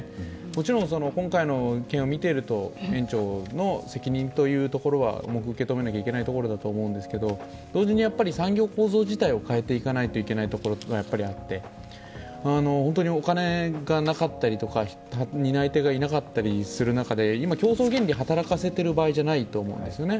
もちろん今回の件を見ていると、園長の責任というところは重く受け止めなきゃいけないところだと思うんですけれども同時に産業構造自体を変えていかなければいけないところがあって本当にお金がなかったり、担い手がいなかったりする中で、今、競争原理を働かせている場合じゃないと思うんですね。